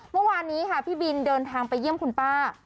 เมื่อวานนี้ค่ะพี่บินเดินทางไปเยี่ยมคุณป้า